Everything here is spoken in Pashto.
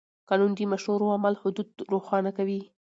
قانون د مشروع عمل حدود روښانه کوي.